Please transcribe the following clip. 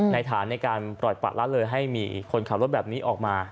ฐานในการปล่อยปะละเลยให้มีคนขับรถแบบนี้ออกมา